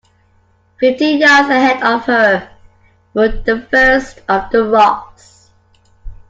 Fifty yards ahead of her were the first of the rocks.